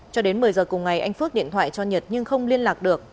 cho đến một mươi giờ cùng ngày anh phước điện thoại cho nhật nhưng không liên lạc được